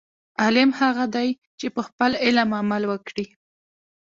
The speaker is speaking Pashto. عالم هغه دی، چې په خپل علم عمل وکړي.